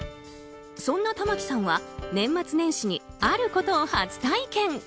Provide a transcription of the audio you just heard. そんな玉木さんは、年末年始にあることを初体験。